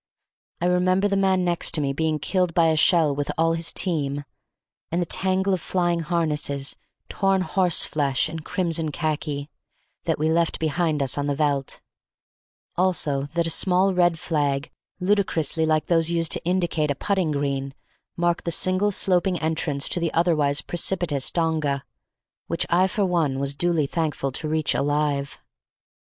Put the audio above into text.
I remember the man next me being killed by a shell with all his team, and the tangle of flying harness, torn horseflesh, and crimson khaki, that we left behind us on the veldt; also that a small red flag, ludicrously like those used to indicate a putting green, marked the single sloping entrance to the otherwise precipitous donga, which I for one was duly thankful to reach alive.